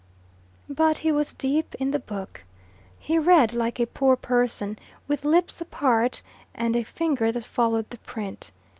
But he was deep in the book. He read like a poor person, with lips apart and a finger that followed the print.